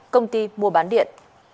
công ty mua bán điện